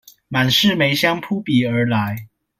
滿室梅香撲鼻而來